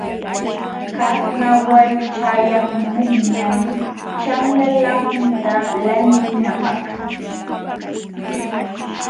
Karnawal ćhayaqmunñam ćhanlalanta lantinapaq.